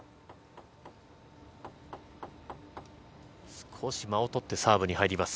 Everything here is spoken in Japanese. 少し間を取ってサーブに入ります。